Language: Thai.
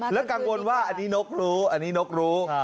แล้วกังวลว่าอันนี้นกรู้อันนี้นกรู้